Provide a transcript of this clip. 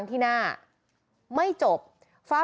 มือไหนมือไหน